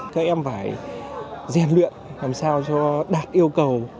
các em phải rèn luyện làm sao cho đạt yêu cầu